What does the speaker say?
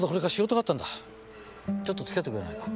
ちょっと付き合ってくれないか？